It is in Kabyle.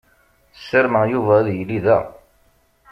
Sarmeɣ Yuba ad yili da.